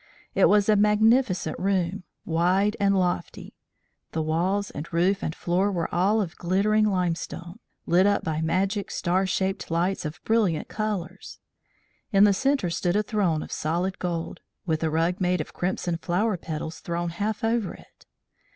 It was a magnificent room, wide and lofty. The walls and roof and floor were all of glittering limestone, lit up by magic star shaped lights of brilliant colours. In the centre stood a throne of solid gold, with a rug made of crimson flower petals thrown half over it.